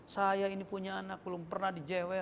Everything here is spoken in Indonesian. saya ini punya anak belum pernah di jw